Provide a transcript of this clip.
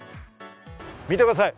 見てください。